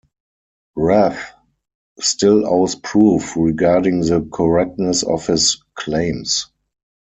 Rath still owes proof regarding the correctness of his claims.